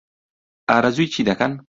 ئارەزووی چی دەکەن؟